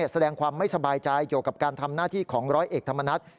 แสดงความไม่สบายใจเกี่ยวกับการทำหน้าที่ของร้อยเอกธรรมนัฐ